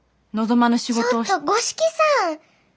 ちょっと五色さん！